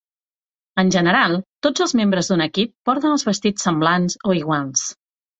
En general, tots els membres d'un equip porten els vestits semblants o iguals.